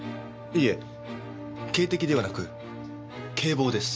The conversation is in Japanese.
いえ警笛ではなく警棒です。